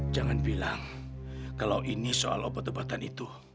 jangan bilang kalau ini soal obat obatannya